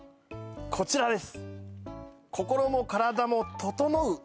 こちらです！